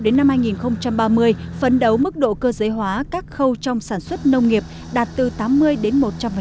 sát định mục tiêu đến năm hai nghìn ba mươi phấn đấu mức độ cơ giới hóa các khâu trong sản xuất nông nghiệp đạt từ tám mươi đến một trăm linh